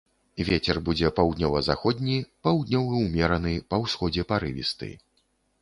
Вецер будзе паўднёва-заходні, паўднёвы ўмераны, па ўсходзе парывісты.